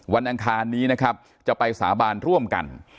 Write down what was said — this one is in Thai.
อังคารนี้นะครับจะไปสาบานร่วมกัน